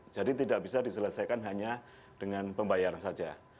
jadi tidak bisa diselesaikan hanya dengan pembayaran saja